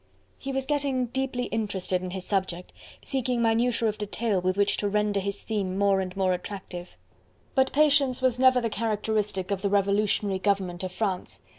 He was getting deeply interested in his subject, seeking minutiae of detail, with which to render his theme more and more attractive. But patience was never the characteristic of the Revolutionary Government of France.